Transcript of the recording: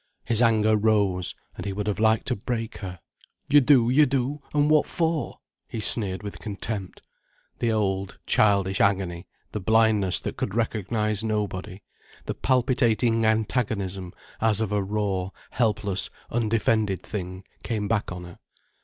His anger rose, and he would have liked to break her. "You do—you do—and what for?" he sneered with contempt. The old, childish agony, the blindness that could recognize nobody, the palpitating antagonism as of a raw, helpless, undefended thing came back on her.